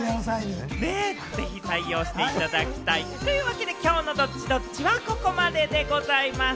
ぜひ採用していただきたいというわけで、今日のＤｏｔｔｉ‐Ｄｏｔｔｉはここまででございます。